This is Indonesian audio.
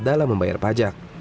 dalam membayar pajak